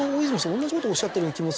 同じことをおっしゃったような気もする。